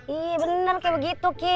iya bener kayak begitu kik